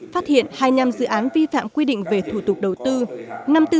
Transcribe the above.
phát hiện hai mươi năm dự án vi phạm quy định về thủ tục đầu tư